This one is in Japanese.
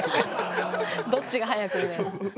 どっちが早くね。